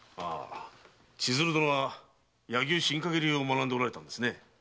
千鶴殿は柳生新陰流を学んでおられたんですね。